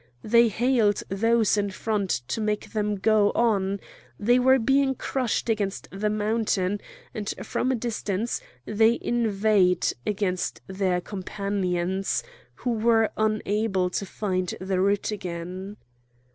They hailed those in front to make them go on; they were being crushed against the mountain, and from a distance they inveighed against their companions, who were unable to find the route again.